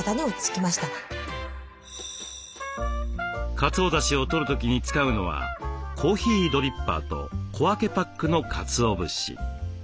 かつおだしをとる時に使うのはコーヒードリッパーと小分けパックのかつお節。